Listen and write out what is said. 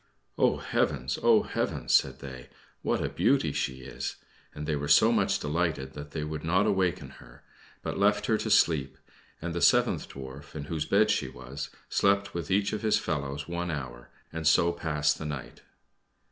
"Oh, heavens! oh, heavens!" said they; "what a beauty she is!" and they were so much delighted that they would not awaken her, but left her to sleep, and the seventh Dwarf, in whose bed she was, slept with each of his fellows one hour, and so passed the night.